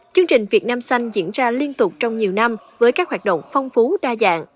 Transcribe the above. chương trình việt nam xanh diễn ra liên tục trong nhiều năm với các hoạt động phong phú đa dạng